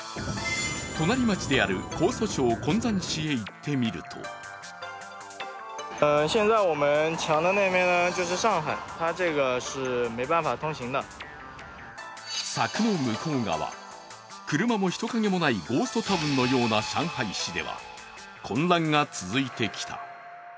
隣町である江蘇省崑山市に行ってみると昨年暮れから、車も人影もないゴーストタウンのような上海市では混乱が続いてきた。